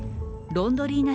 ロンドリーナ